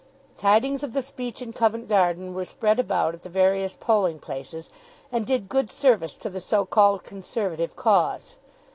Tidings of the speech in Covent Garden were spread about at the various polling places, and did good service to the so called Conservative cause.